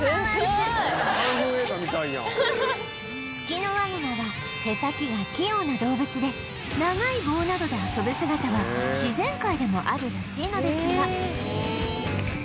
ツキノワグマは手先が器用な動物で長い棒などで遊ぶ姿は自然界でもあるらしいのですが